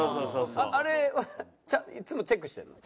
あれはいつもチェックしてるの？